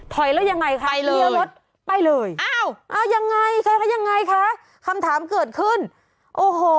ถอยแล้วยังไงคะเหี้ยรถไปเลยอ้าวยังไงคำถามเกิดขึ้นโอ้โห